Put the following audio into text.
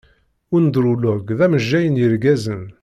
Undrulog d amejjay n yergazen.